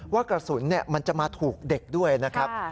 ว่ากระสุนมันจะมาถูกเด็กด้วยนะครับ